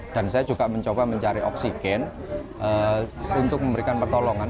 dan saya juga mencoba mencari oksigen untuk memberikan pertolongan